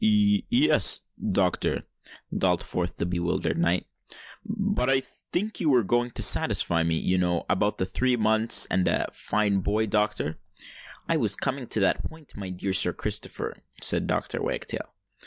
"Ye e s, doctor," drawled forth the bewildered knight. "But I think you were going to satisfy me—you know—about the three months—and a fine boy—doctor——" "I was coming to that point, my dear Sir Christopher," said Dr. Wagtail.